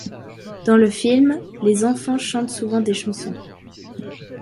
Dans le film, les enfants chantent souvent des chansons.